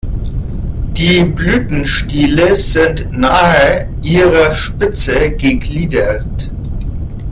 Die Blütenstiele sind nahe ihrer Spitze gegliedert.